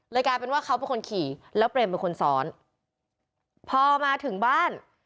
กลายเป็นว่าเขาเป็นคนขี่แล้วเปรมเป็นคนซ้อนพอมาถึงบ้าน